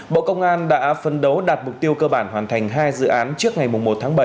bộ công an đã phân đấu đạt mục tiêu cơ bản hoàn thành hai dự án trước ngày một tháng bảy